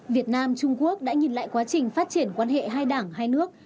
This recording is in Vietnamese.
việt nam trung quốc đã nhìn lại quá trình phát triển quan hệ hai đảng hai nước